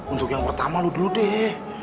untuk yang pertama lu dulu deh